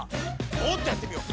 もっとやってみよう！